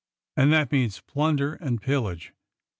And that means plunder and pillage.